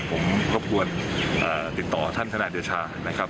ผมควรติดต่อท่านทนายเดชานี่ครับ